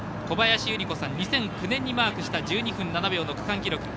小林祐梨子さん、２００９年にマークした１２分７秒の区間記録。